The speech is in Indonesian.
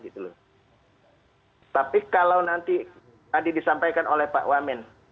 tapi kalau nanti tadi disampaikan oleh pak wamen